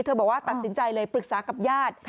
บอกว่าตัดสินใจเลยปรึกษากับญาติ